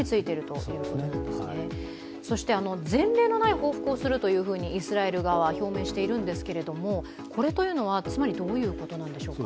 そして前例のない報復をするとイスラエル側は表明しているんですけれどもこれというのは、つまりどういうことなんでしょうか？